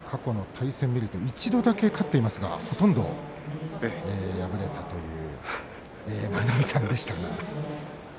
過去対戦を見ると一度だけ勝っていますがほとんど敗れたという舞の海さんでしたが。